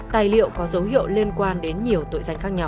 tài liệu có dấu hiệu liên quan đến nhiều tội danh khác nhau